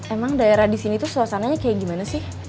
emang daerah disini tuh suasananya kayak gimana sih